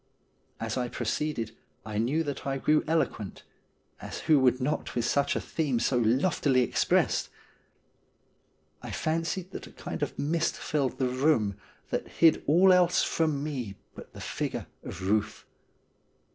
As I proceeded I knew that I grew eloquent, as who would not with such a theme so loftily expressed ! I fancied that a kind of mist filled the room that hid all else from me but the figure of Ruth.